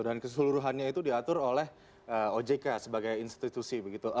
dan keseluruhannya itu diatur oleh ojk sebagai institusi begitu